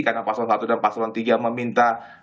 karena pasron satu dan pasron tiga meminta